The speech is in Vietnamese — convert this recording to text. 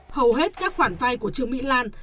hầu hết các khoản vay của trường mỹ lan